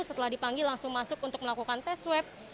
setelah dipanggil langsung masuk untuk melakukan tes swab